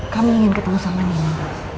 kami ingin ketemu sama dengan